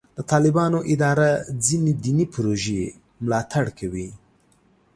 د طالبانو اداره ځینې دیني پروژې ملاتړ کوي.